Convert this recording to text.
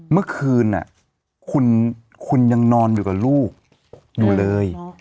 เมื่อคืนคุณยังนอนอยู่กับลูกอยู่เลย